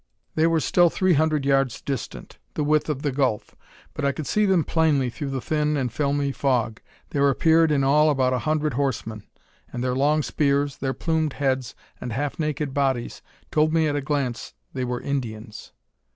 They were still three hundred yards distant, the width of the gulf; but I could see them plainly through the thin and filmy fog. There appeared in all about a hundred horsemen; and their long spears, their plumed heads, and half naked bodies, told me at a glance they were Indians!